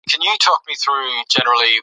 ماشوم د دښتې د بادونو خوند اخیست.